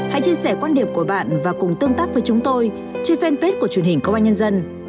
hãy chia sẻ quan điểm của bạn và cùng tương tác với chúng tôi trên fanpage của truyền hình công an nhân dân